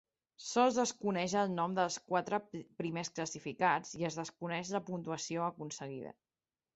Sols es coneix el nom dels quatre primers classificats i es desconeix la puntuació aconseguida.